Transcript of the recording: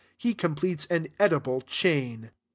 He completes an edible chain.